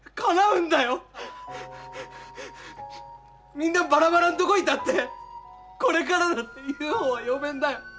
みんなバラバラんとごいたってこれからだってＵＦＯは呼べんだよ。